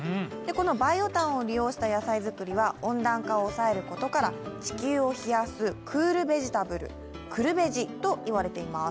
このバイオ炭を利用した野菜作りは、温暖化を抑えることから地球を冷やすクールベジタブル、クルベジと言われています。